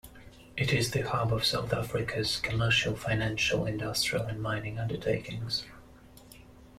It is the hub of South Africa's commercial, financial, industrial, and mining undertakings.